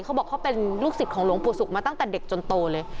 เขาบอกเขาเป็นลูกศิษย์ของหลวงปู่ศุกร์มาตั้งแต่เด็กจนโตเลย